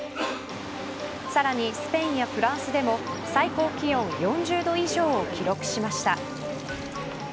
さらに、スペインやフランスでも最高気温４０度以上を記録しました。